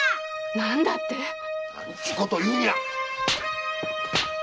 何だって⁉何を言うんや！